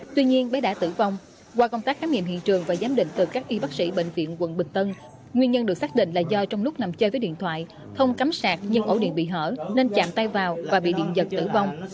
tuy nhiên bé đã tử vong qua công tác khám nghiệm hiện trường và giám định từ các y bác sĩ bệnh viện quận bình tân nguyên nhân được xác định là do trong lúc nằm chơi với điện thoại không cắm sạc nhưng ẩu điện bị hở nên chạm tay vào và bị điện giật tử vong